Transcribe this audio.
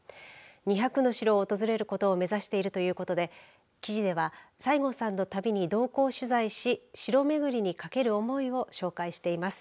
２００の城を訪れることを目指しているということで記事では西郷さんの旅に同行取材し城巡りにかける思いを紹介しています。